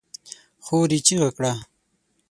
خور يې چيغه کړه!